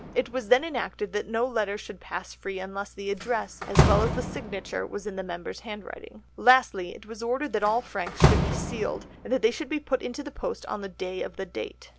It was then enacted that no letter should pass free unless the address, as well as the signature, was in the member's handwriting. Lastly, it was ordered that all franks should be sealed and that they should be put into the post on the day of the date.